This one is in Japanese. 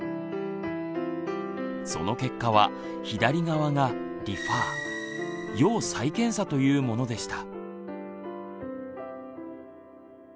その結果は左側が「リファー」要再検査というものでした。